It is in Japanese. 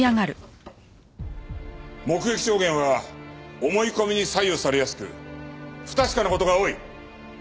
目撃証言は思い込みに左右されやすく不確かな事が多い。